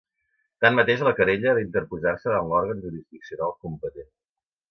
Tanmateix, la querella ha d'interposar-se davant l'òrgan jurisdiccional competent.